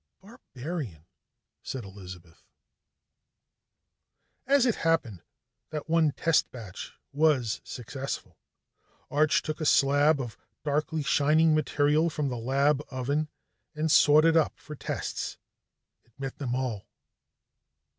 "Barbarian," said Elizabeth. As it happened, that one test batch was successful. Arch took a slab of darkly shining material from the lab oven and sawed it up for tests. It met them all.